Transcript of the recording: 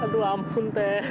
aduh ampun teh